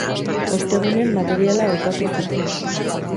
Ostegunean materiala hautatu zuten.